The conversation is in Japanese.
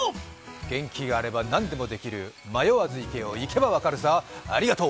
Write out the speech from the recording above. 元気があればなんでもできる、迷わず行けよ行けば分かるさ、ありがとう！